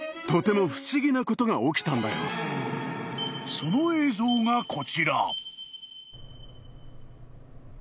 ［その映像がこちら］